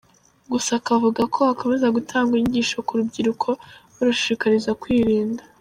Gusa akavuga ko hakomeza gutangwa inyigisho ku rubyiruko barushishikariza kwirinda.